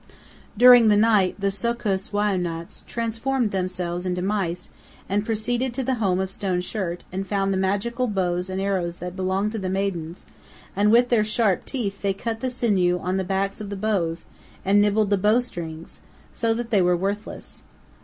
During the night the So'kus Wai'unats transformed themselves into mice and proceeded to the home of Stone Shirt and found the magical bows and arrows that belonged to the maidens, and with their sharp teeth they cut the sinew on the backs of the bows and nibbled the bow strings, so that they were worthless.